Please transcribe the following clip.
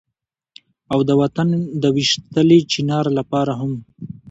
او د وطن د ويشتلي چينار لپاره هم